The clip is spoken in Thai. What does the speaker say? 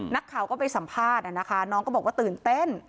นักข่าวก็ไปสัมภาษณ์นะคะน้องก็บอกว่าตื่นเต้น